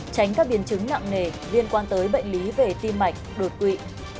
tránh các biến chứng nặng nề liên quan tới bệnh lý về tim mạch đột quỵ